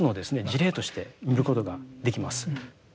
事例として見ることができます。